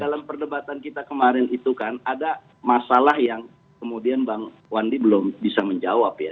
dalam perdebatan kita kemarin itu kan ada masalah yang kemudian bang wandi belum bisa menjawab ya